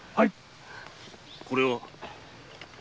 これは？